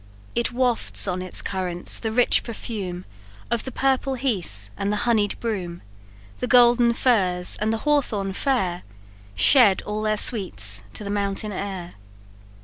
"It wafts on its currents the rich perfume Of the purple heath, and the honied broom; The golden furze, and the hawthorn fair, Shed all their sweets to the mountain air.